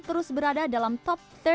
terus berada dalam top tiga